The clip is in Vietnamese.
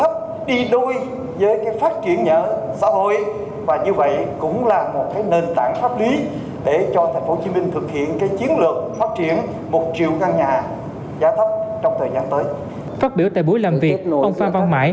phát biểu tại buổi làm việc ông phan văn mãi